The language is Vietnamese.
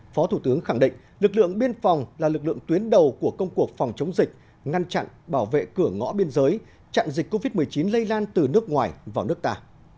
phó thủ tướng khẳng định lực lượng biên phòng là lực lượng tuyến đầu của công cuộc phòng chống dịch ngăn chặn bảo vệ cửa ngõ biên giới chặn dịch covid một mươi chín lây lan từ nước ngoài vào nước ta